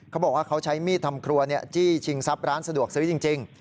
เขาบอกว่าเขาใช้มีดทำครัวจี้ชิงทรัพย์ร้านสะดวกซื้อจริง